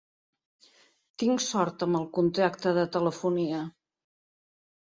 Tinc sort amb el contracte de telefonia.